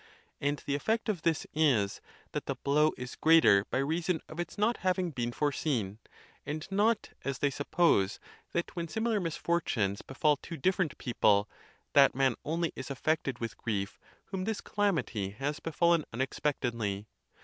And the effect of this is, that the blow is greater by reason of its not haying been foreseen, and not, as they suppose, that when similar misfortunes befall two different people, that man only is affected with grief whom this calamity has befallen unexpectedly.